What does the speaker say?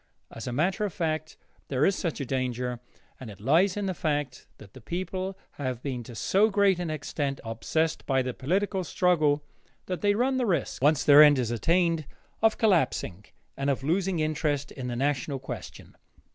As a matter of fact, there is such a danger, and it lies in the fact that the people have been to so great an extent obsessed by the political struggle that they run the risk, once their end is attained, of collapsing and of losing interest in the national question.